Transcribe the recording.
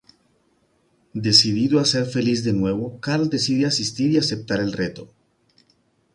Decidido a ser feliz de nuevo, Carl decide asistir y aceptar el reto.